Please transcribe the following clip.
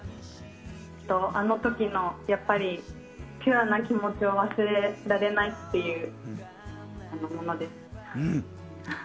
あの時のピュアな気持ちを忘れられないっていうものです。